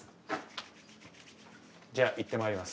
じゃあいってまいります。